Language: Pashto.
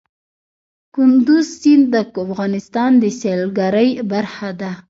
کندز سیند د افغانستان د سیلګرۍ برخه ده.